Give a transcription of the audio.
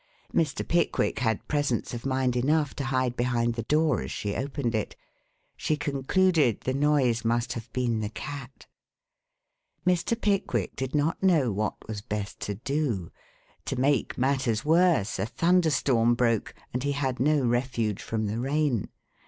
Mr. Pickwick had presence of mind enough to hide behind the door as she opened it. She concluded the noise must have been the cat. Mr. Pickwick did not know what was best to do. To make matters worse, a thunder storm broke and he had no refuge from the rain.